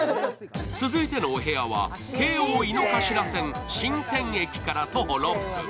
続いてのお部屋は京王井の頭線・神泉駅から徒歩６分